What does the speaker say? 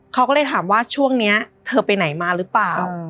เขาก็เลยถามว่าส่วนเธอไปไหนมาแล้วป่ะ